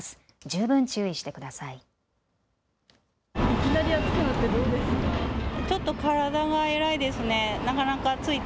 十分注意してください。